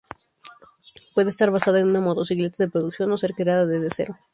Puede estar basada en una motocicleta de producción o ser creada desde cero.